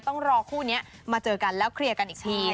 ต้องรอคู่นี้มาเจอกันแล้วเคลียร์กันอีกที